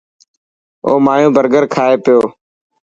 او مايو برگر کائي پيو.